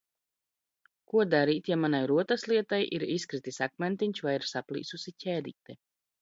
Ko darīt, ja manai rotaslietai ir izkritis akmentiņš vai ir saplīsusi ķēdīte?